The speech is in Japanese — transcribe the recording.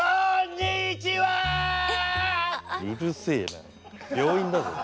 うるせえな病院だぞ。